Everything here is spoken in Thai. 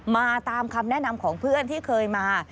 มาตามคำแนะนำของเพื่อนที่เคยมา